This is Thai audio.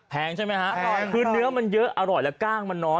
แพงใช่ไหมฮะคือเนื้อมันเยอะอร่อยแล้วกล้างมันน้อน